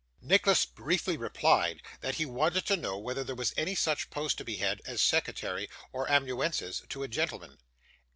Nicholas briefly replied, that he wanted to know whether there was any such post to be had, as secretary or amanuensis to a gentleman.